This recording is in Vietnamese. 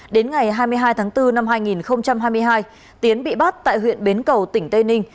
đến ngày hai mươi hai tháng bốn năm hai nghìn hai mươi hai tiến bị bắt tại huyện bến cầu tỉnh tây ninh